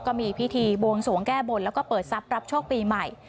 ก็มีพิธีบวงสวงแก้บนแล้วก็เปิดทรัพย์รับโชคปีใหม่